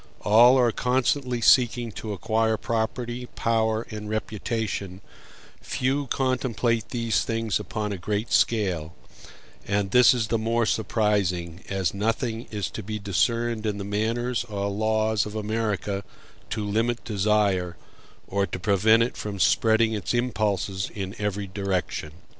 All are constantly seeking to acquire property, power, and reputation few contemplate these things upon a great scale; and this is the more surprising, as nothing is to be discerned in the manners or laws of America to limit desire, or to prevent it from spreading its impulses in every direction.